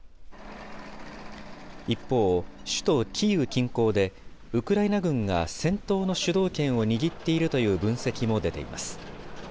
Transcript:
一方、首都キーウ近郊でウクライナ軍が戦闘の主導権を握っているという分析も出ています。